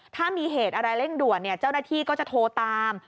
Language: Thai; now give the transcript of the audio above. ถ้ามีเหตุอะไรเร่งด่วนเจ้าหน้าที่ก็จะโทรตาม